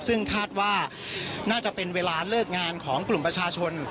ซึ่งคาดว่าน่าจะเป็นเวลาเลิกงานของกลุ่มประชาชน